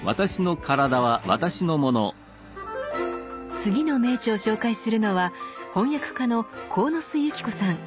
次の名著を紹介するのは翻訳家の鴻巣友季子さん。